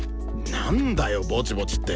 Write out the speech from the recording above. なんだよぼちぼちって！